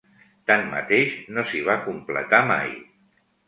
Tanmateix, no s'hi va completar mai.